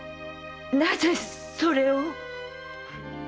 なぜそれを！